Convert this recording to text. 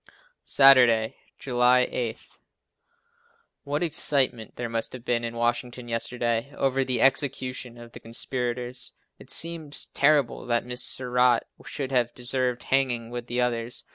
Saturday, July 8. What excitement there must have been in Washington yesterday over the execution of the conspirators. It seems terrible that Mrs. Surratt should have deserved hanging with the others.